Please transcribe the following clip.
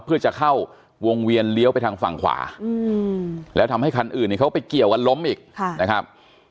เพื่อจะเข้าวงเวียนเลี้ยวไปทางฝั่งขวาแล้วทำให้คันอื่นเขาไปเกี่ยวกันล้มอีกนะครับ